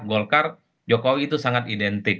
golkar jokowi itu sangat identik